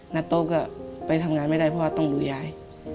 ณโต๊ะก็ไปทำงานไม่ได้เพราะว่าต้องดูยาย